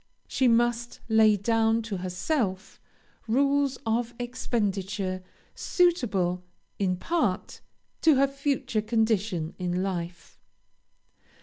She must lay down to herself rules of expenditure suitable, in part, to her future condition in life.